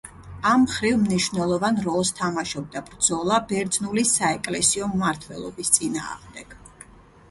ამ მხრივ მნიშვნელოვან როლს თამაშობდა ბრძოლა ბერძნული საეკლესიო მმართველობის წინააღმდეგ.